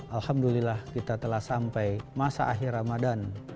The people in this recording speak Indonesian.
alhamdulillah kita telah sampai masa akhir ramadan